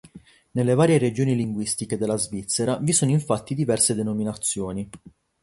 Nelle varie regioni linguistiche della Svizzera vi sono infatti diverse denominazioni.